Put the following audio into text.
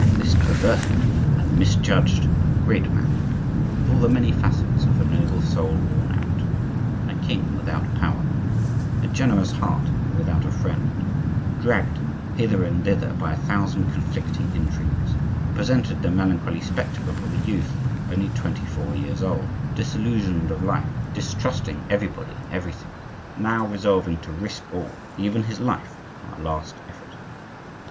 This perverted and misjudged great man, with all the many facets of a noble soul worn out,—a king without power, a generous heart without a friend, dragged hither and thither by a thousand conflicting intrigues,—presented the melancholy spectacle of a youth, only twenty four years old, disillusioned of life, distrusting everybody and everything, now resolving to risk all, even his life, on a last effort.